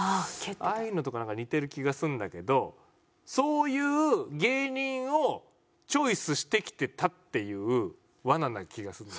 ああいうのとかなんか似てる気がするんだけどそういう芸人をチョイスしてきてたっていう罠な気がする。